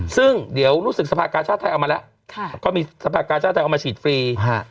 ซึ่งเดี๋ยวรู้สึกสภากาชาติไทยเอามาแล้วก็มีสภากาชาติไทยเอามาฉีดฟรี